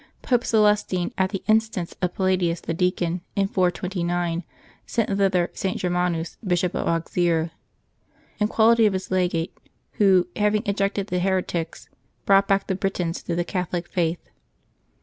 Pope Celestine, at the instance of Palla dius the deacon, in 429, sent thither St. Germanus, Bishop of Auxerre, in quality of his legate, who, having ejected the heretics, brought back the Britons to the Catholic faith.